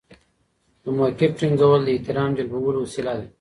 د موقف ټینګول د احترام جلبولو وسیله ده.